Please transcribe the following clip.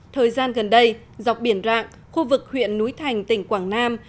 thời gian gần đây dọc biển rạng khu vực huyện núi thành tỉnh quảng nam